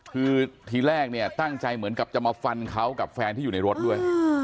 คือทีแรกเนี่ยตั้งใจเหมือนกับจะมาฟันเขากับแฟนที่อยู่ในรถด้วย